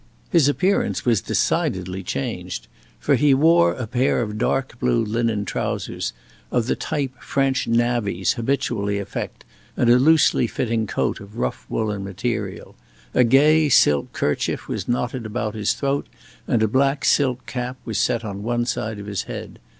His appearance was decidedly changed, for he wore a pair of dark blue linen trousers, of the type French "navvies" habitually affect, and a loosely fitting coat of rough woolen material. A gay silk 'kerchief was knotted about his throat, and a black silk cap was set on one side of his head.